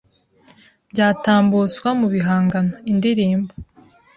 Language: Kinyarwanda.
byatambutswa mu bihangano: indirimbo,